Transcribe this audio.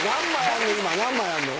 何枚あんの？